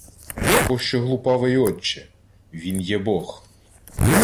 — Пощо глупавий, отче! Він є бог.